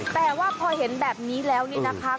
แต่ว่าพอเห็นแบบนี้แล้วนี่นะคะ